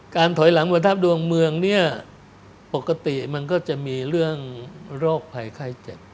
ถอยหลังบนทัพดวงเมืองเนี่ยปกติมันก็จะมีเรื่องโรคภัยไข้เจ็บ